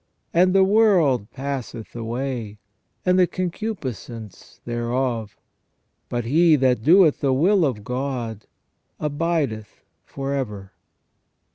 And the world passeth away, and the coucupiscence thereof, but he that doeth the will of God abideth for ever."